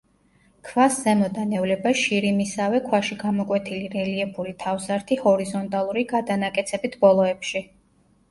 ქვას ზემოდან ევლება შირიმისავე ქვაში გამოკვეთილი რელიეფური თავსართი ჰორიზონტალური გადანაკეცებით ბოლოებში.